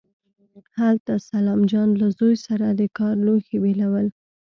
هلته سلام جان له زوی سره د کار لوښي بېلول.